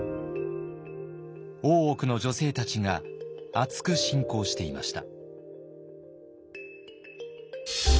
大奥の女性たちがあつく信仰していました。